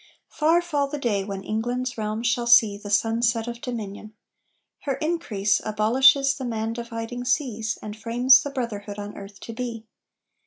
Far fall the day when England's realm shall see The sunset of dominion! Her increase Abolishes the man dividing seas, And frames the brotherhood on earth to be!